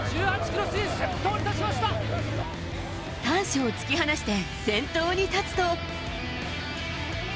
丹所を突き放して先頭に立つと。